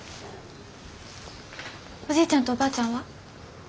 おじいちゃんとおばあちゃんは？